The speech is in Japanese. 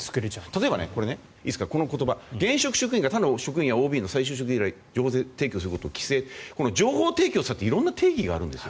例えば、この言葉現職職員が他の職員やＯＢの再就職依頼情報提供することを規制情報提供っていっても色んな定義があるんです。